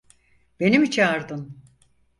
Beni mi çağırdın?